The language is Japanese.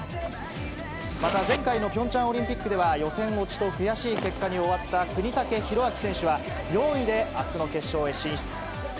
また、前回のピョンチャンオリンピックでは予選落ちと悔しい結果に終わった國武大晃選手は、４位であすの決勝へ進出。